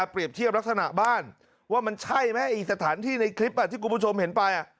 เปรียบเทียบลักษณะบ้านว่ามันใช่ไหมอีกสถานที่ในคลิปที่คุณผู้ชมเห็นไป